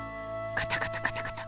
カタカタカタカタ。